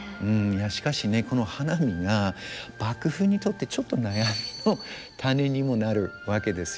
しかしねこの花見が幕府にとってちょっと悩みの種にもなるわけですよね。